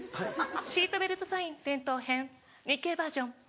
シートベルトサイン点灯編日系バージョン。